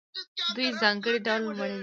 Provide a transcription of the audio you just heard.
دوی ځانګړي ډول مڼې لري.